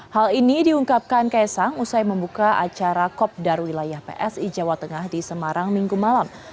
hal ini diungkapkan kaisang usai membuka acara kopdar wilayah psi jawa tengah di semarang minggu malam